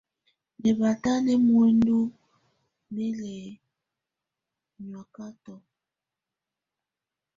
Nɛ́ batá nɛ́ muǝndú nɛ́ lɛ nyɔ̀ákatɔ.